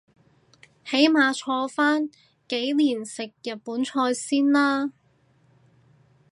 起碼坐返幾年食日本菜先啦